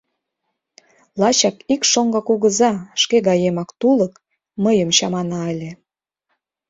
Лачак ик шоҥго кугыза, шке гаемак тулык, мыйым чамана ыле.